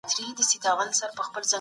موږ د سياست په اړه نوې څېړنې کوو.